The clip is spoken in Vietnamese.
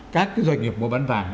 các cái doanh nghiệp mua bán vàng